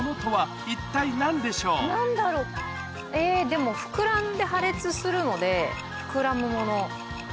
何だろう？えでも膨らんで破裂するので膨らむもの。